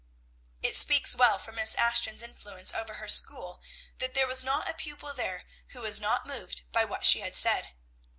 It speaks well for Miss Ashton's influence over her school that there was not a pupil there who was not moved by what she had said.